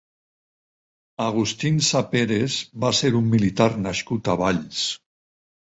Agustín Saperes va ser un militar nascut a Valls.